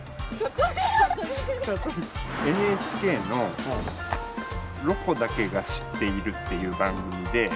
ＮＨＫの「ロコだけが知っている」っていう番組で。